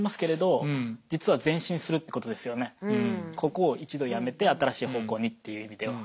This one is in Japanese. ここを一度やめて新しい方向にっていう意味では。